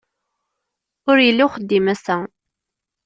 Ur yelli uxeddim ass-a